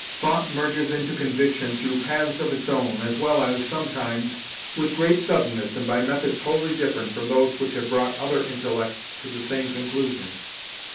Thought merges into conviction through paths of its own, as well as, sometimes, with great suddenness and by methods wholly different from those which have brought other intellects to the same conclusion.